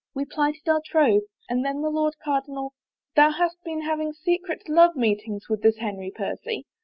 We plighted our troth. And then the Lord Cardinal —"" Thou hast been having secret love meetings with this Henry Percy